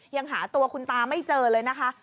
ยังหาตัวคุณตาไม่เจอเลยนะคะ